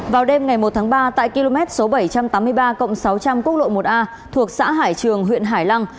vào đêm ngày một tháng ba tại km số bảy trăm tám mươi ba cộng sáu trăm linh quốc lộ một a thuộc xã hải trường huyện hải lăng